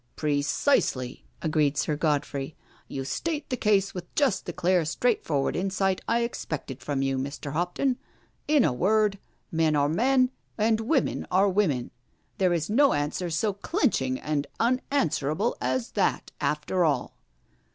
" Precisely," agreed Sir Godfrey. " You state the case with just the clear straightforward insight I ex pected from you, Mr. Hoptoa. In a word— men are men and women are women I There is no answer so clinching and unanswerable as that, after all.'